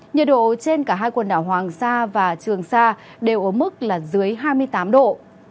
nhiệt độ trên cả hai quần đảo hoàng sa và trường sa đều ở mức là dưới hai mươi tám độ